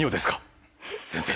先生。